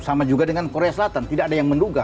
sama juga dengan korea selatan tidak ada yang menduga